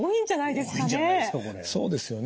そうですよね。